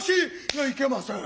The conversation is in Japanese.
いけません。